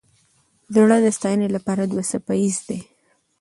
زړه د ستاینې لپاره دوه څپه ایز دی.